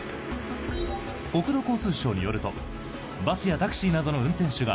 国土交通省によるとバスやタクシーなどの運転手が